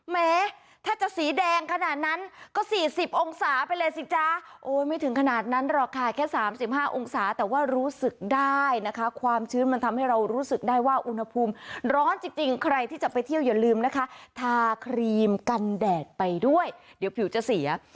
แม้ถ้าจะสีแดงขนาดนั้นก็๔๐องศาไปเลยสิจ๊ะโอ้ยไม่ถึงขนาดนั้นหรอกค่ะแค่๓๕องศาแต่ว่ารู้สึกได้นะคะความชื้นมันทำให้เรารู้สึกได้ว่าอุณหภูมิร้อนจริงใครที่จะไปเที่ยวอย่าลืมนะคะทาครีมกันแดดไปด้วยเดี๋ยวผิวจะเสีย